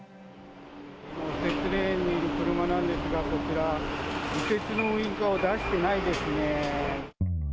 右折レーンにいる車なんですが、こちら、右折のウインカーを出してないですね。